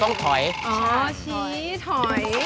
ต้องถอยอ๋อถอยถอย